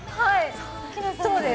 そうです。